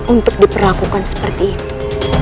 untuk diperlakukan seperti itu